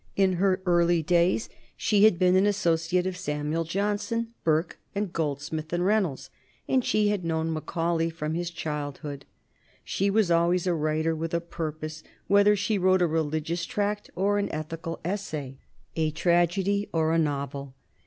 In her early days she had been an associate of Samuel Johnson, Burke, and Goldsmith, and Reynolds, and she had known Macaulay from his childhood. She was always a writer with a purpose, whether she wrote a religious tract or an ethical essay, a tragedy or a novel.